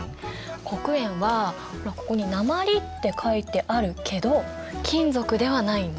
黒鉛はほらここに「鉛」って書いてあるけど金属ではないんだ。